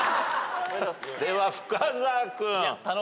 では深澤君。